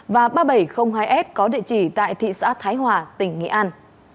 và ba nghìn bảy trăm linh hai s có địa chỉ tại thị xã thái hòa tỉnh nghệ an